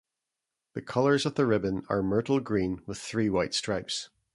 The colors of the ribbon are myrtle green with three white stripes.